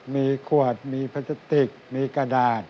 มีขวดมีพลาสติกมีกระดาษ